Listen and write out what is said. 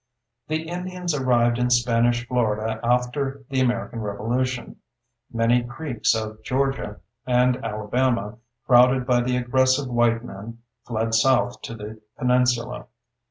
The Indians arrived in Spanish Florida after the American Revolution. Many Creeks of Georgia and Alabama, crowded by the aggressive white man, fled south to the peninsula.